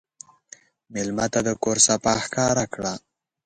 مېلمه ته د کور صفا ښکاره کړه.